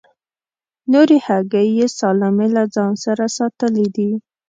نورې هګۍ یې سالمې له ځان سره ساتلې دي.